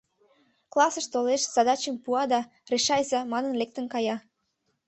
Классыш толеш, задачым пуа да, «решайза!» манын, лектын кая.